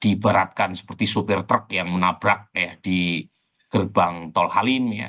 diibaratkan seperti sopir truk yang menabrak di gerbang tol halim ya